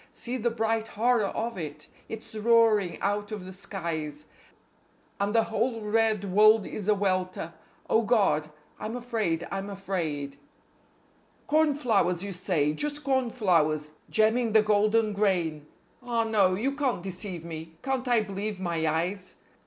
See the bright horror of it! It's roaring out of the skies, And the whole red world is a welter. ... Oh God! I'm afraid! I'm afraid! CORNFLOWERS, you say, just cornflowers, gemming the golden grain; Ah no! You can't deceive me. Can't I believe my eyes?